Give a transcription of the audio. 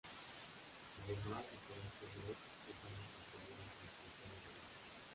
Además de por estos dos, sus aguas se extienden por el concejo de Boal.